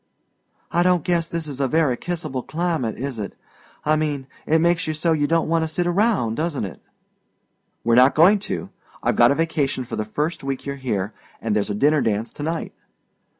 "I don't guess this is a very kissable climate, is it? I mean, it makes you so you don't want to sit round, doesn't it?" "We're not going to. I've got a vacation for the first week you're here, and there's a dinner dance to night."